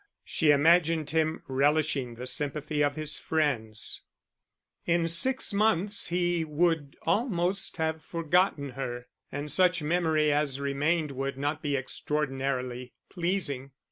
She imagined him relishing the sympathy of his friends. In six months he would almost have forgotten her, and such memory as remained would not be extraordinarily pleasing.